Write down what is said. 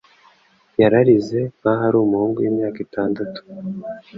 Yararize nkaho ari umuhungu wimyaka itandatu.